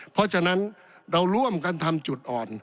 เพราะฉะนั้นเราร่วมกันทำจุดอ่อน